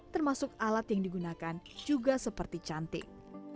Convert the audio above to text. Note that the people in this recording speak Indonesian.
termasuk alat yang digunakan juga seperti cantik